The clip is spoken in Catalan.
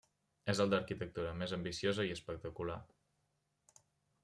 És el d'arquitectura més ambiciosa i espectacular.